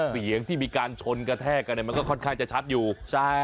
เสียงที่มีการชนกระแทกกันเนี่ยมันก็ค่อนข้างจะชัดอยู่ใช่